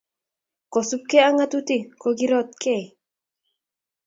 kosubgei ak ng'atutik ko kirotei